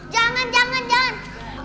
jangan jangan jangan